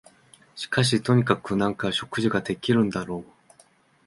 しかしとにかく何か食事ができるんだろう